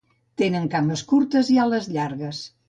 Tenen cames curtes i ales llargues.